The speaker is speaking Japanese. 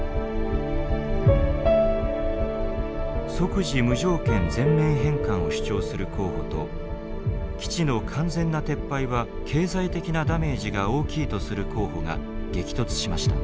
即時無条件全面返還を主張する候補と基地の完全な撤廃は経済的なダメージが大きいとする候補が激突しました。